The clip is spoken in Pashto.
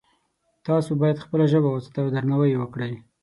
تاسو باید خپله ژبه وساتئ او درناوی یې وکړئ